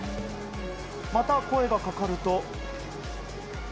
また声がかかると。